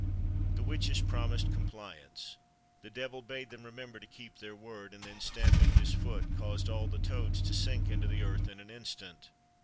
The witches promised compliance. The devil bade them remember to keep their word; and then stamping his foot, caused all the toads to sink into the earth in an instant.